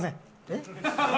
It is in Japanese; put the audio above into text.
えっ？